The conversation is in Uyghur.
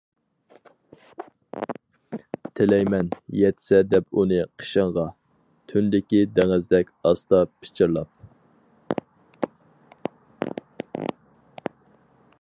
تىلەيمەن، يەتسە دەپ ئۇنى قېشىڭغا، تۈندىكى دېڭىزدەك ئاستا پىچىرلاپ.